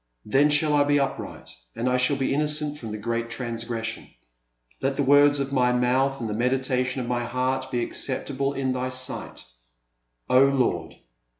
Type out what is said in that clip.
Then shall I be upright and I shall be innocent from the great transgression. I^t the words of my mouth and the meditation of my heart be acceptable in Thy sight, — O Lord